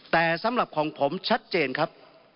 แต่สำหรับของผมชัดเจนครับ